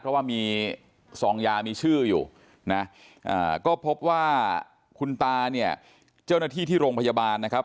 เพราะว่ามีซองยามีชื่ออยู่นะก็พบว่าคุณตาเนี่ยเจ้าหน้าที่ที่โรงพยาบาลนะครับ